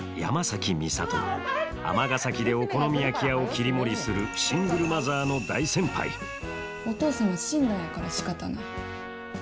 尼崎でお好み焼き屋を切り盛りするシングルマザーの大先輩お父さんは死んだんやからしかたない。